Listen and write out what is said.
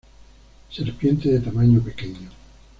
Serpiente de tamaño pequeño.